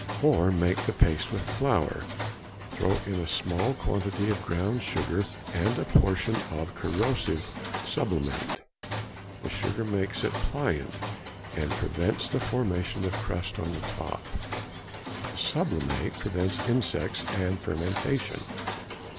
Or, make the paste with flour, throw in a small quantity of ground sugar and a portion of corrosive sublimate. The sugar makes it pliant and prevents the formation of crust on the top. The sublimate prevents insects and fermentation.